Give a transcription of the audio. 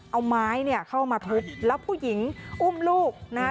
เอาไม้เนี่ยเข้ามาทุบแล้วผู้หญิงอุ้มลูกนะฮะ